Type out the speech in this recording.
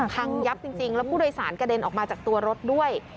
ยับจริงแล้วผู้โดยสารกระเด็นออกมาจากตัวรถด้วย